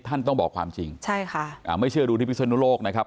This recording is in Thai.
ท่านต้องบอกความจริงใช่ค่ะอ่าไม่เชื่อดูที่พิศนุโลกนะครับ